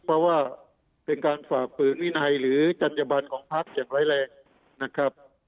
เพราะว่าเป็นการฝ่าฝืนวินัยหรือจัญญบันของพักอย่างร้ายแรงนะครับ